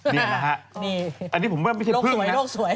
นี่นะฮะอันนี้ผมไม่ใช่พึ่งนะโรคสวย